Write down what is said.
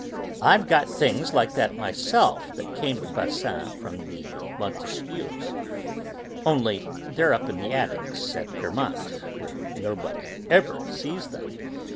I've got things like that myself, that came to Basin from the Montesquious. Only, they're up in the attics at Guermantes, where nobody ever sees them.